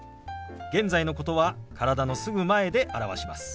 現在のことは体のすぐ前で表します。